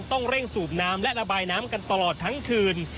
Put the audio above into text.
ต้องเร่งสูบน้ำและระบายน้ำกันตลอดทั้งคืน